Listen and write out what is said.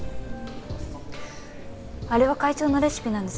あれは会長のレシピなんですよね。